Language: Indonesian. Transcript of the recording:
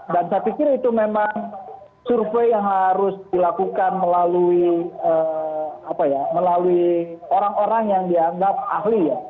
dan saya pikir itu memang survei yang harus dilakukan melalui orang orang yang dianggap ahli ya